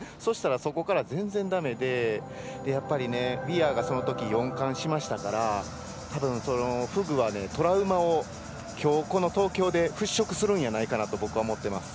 そこから全然だめでウィアーがそのときに４冠しましたからたぶん、フグはトラウマをきょうこの東京でふっしょくするんじゃないかなと僕は思ってます。